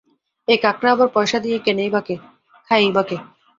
এ কাঁকড়া আবার পয়সা দিয়ে কেনেই বা কে, খায়ই বা কে?